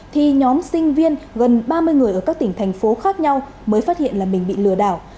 thì nhóm sinh viên gần ba mươi người ở các tỉnh thành phố khác nhau mới phát hiện là mình bị lừa đảo